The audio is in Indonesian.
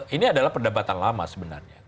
ini adalah perdebatan lama sebenarnya